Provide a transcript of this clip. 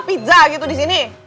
penta gitu di sini